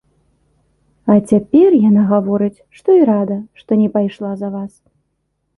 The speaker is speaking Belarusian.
А цяпер яна гаворыць, што і рада, што не пайшла за вас.